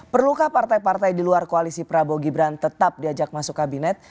perlukah partai partai di luar koalisi prabowo gibran tetap diajak masuk kabinet